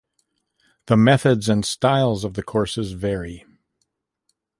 The methods and styles of the courses vary.